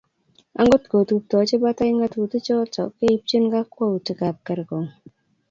Angot ko tuptochi batai ng'atutichotok keipchi kokwoutiikab kerkong'.